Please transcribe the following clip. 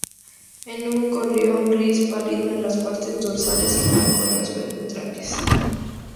Es un gorrión gris pálido en las partes dorsales y blanco en las ventrales.